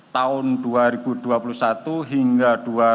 tahun dua ribu dua puluh satu hingga dua ribu dua puluh